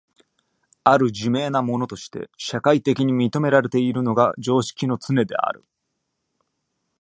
或る自明なものとして社会的に認められているのが常識のつねである。